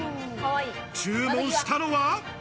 注文したのは。